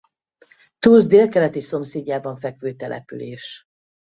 Tours délkeleti szomszédjában fekvő település.